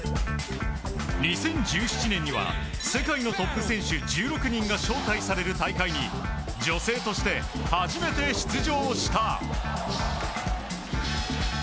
２０１７年には世界のトップ選手１６人が招待される大会に女性として初めて出場した。